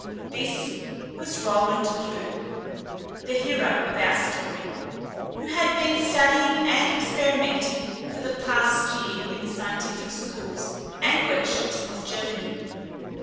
This was Roland Clewe, the hero of our story, who had been studying and experimenting for the past year in the scientific schools and workshops of Germany.